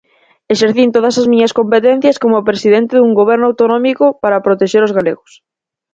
Exercín todas as miñas competencias como presidente dun goberno autonómico para protexer os galegos.